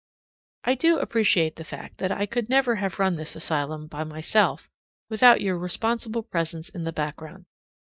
I do appreciate the fact that I could never have run this asylum by myself without your responsible presence in the background.